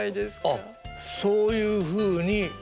あっそういうふうにやれと。